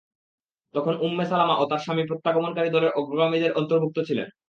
তখন Umm Salama ও তাঁর স্বামী প্রত্যাগমনকারী দলের অগ্রগামীদের অন্তর্ভুক্ত ছিলেন।